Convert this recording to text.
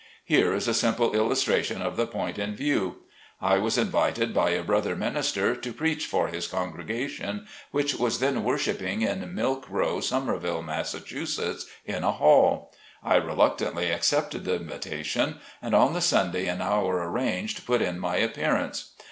Here is a simple illustration of the point in view. I was invited by a brother minister to preach for his congregation, which was then worshiping in Milk Row, Somerville, Mass., in a hall. I reluctantly accepted the invita tion, and on the Sunday and hour arranged put in my appearance.